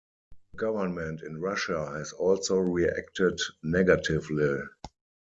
The government in Russia has also reacted negatively.